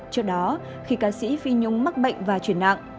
trước đó khi ca sĩ phi nhung mắc bệnh và chuyển nặng